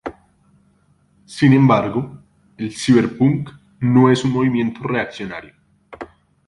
Sin embargo, el ciberpunk no es un movimiento reaccionario.